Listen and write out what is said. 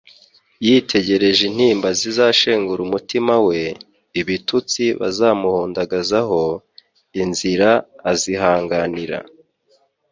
Yitegereje intimba zizashengura umutima we, ibitutsi bazamuhundagazaho, inzira azihanganira;